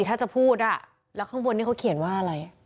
ถ้าจะพูดแล้วข้างบนนี้เขาเขียนว่าอะไร